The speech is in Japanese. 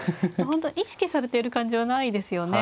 本当意識されてる感じはないですよね。